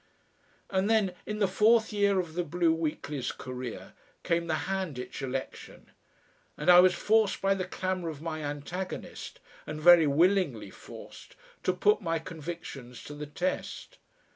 And then, in the fourth year of the BLUE WEEKLY'S career, came the Handitch election, and I was forced by the clamour of my antagonist, and very willingly forced, to put my convictions to the test.